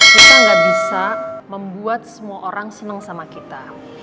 kita nggak bisa membuat semua orang senang sama kita